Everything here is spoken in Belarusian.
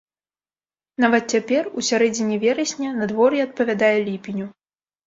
Нават цяпер, у сярэдзіне верасня, надвор'е адпавядае ліпеню.